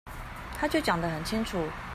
他就講得很清楚